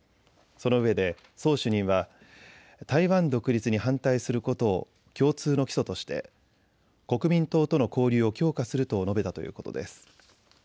そのうえで宋主任は台湾独立に反対することを共通の基礎として国民党との交流を強化すると述べたということです。